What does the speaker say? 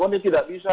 oh ini tidak bisa